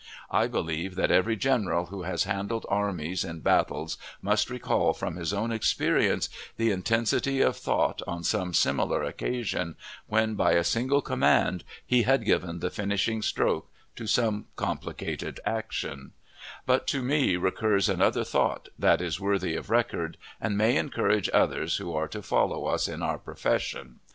I believe that every general who has handled armies in battle most recall from his own experience the intensity of thought on some similar occasion, when by a single command he had given the finishing stroke to some complicated action; but to me recurs another thought that is worthy of record, and may encourage others who are to follow us in our profession.